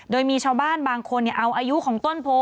โดยมีชาวบ้านบางคนเอาอายุของต้นโพ